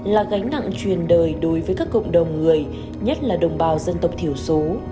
là gánh nặng truyền đời đối với các cộng đồng người nhất là đồng bào dân tộc thiểu số